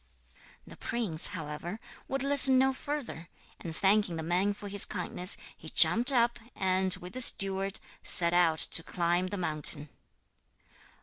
The prince, however, would listen no further; and thanking the man for his kindness, he jumped up and, with the steward, set out to climb the mountain.